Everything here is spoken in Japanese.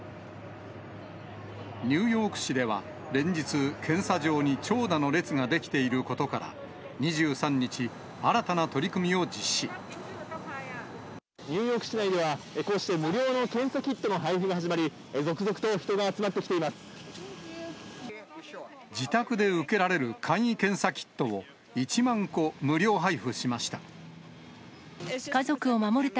ニューヨーク市では連日、検査場に長蛇の列が出来ていることから、２３日、新たな取り組みニューヨーク市内では、こうして無料の検査キットの配布が始まり、続々と人が集まってき自宅で受けられる簡易検査キットを、１万個、無料配布しました。